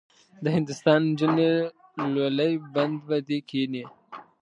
د هندوستان نجونې لولۍ بند به دې کیني.